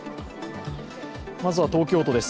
まずは東京都です。